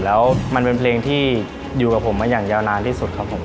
แล้วมันเป็นเพลงที่อยู่กับผมมาอย่างยาวนานที่สุดครับผม